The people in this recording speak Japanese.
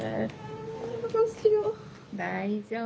大丈夫。